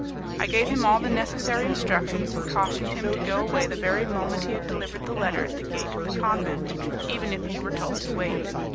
I gave him all the necessary instructions, and cautioned him to go away the very moment he had delivered the letter at the gate of the convent, even if he were told to wait.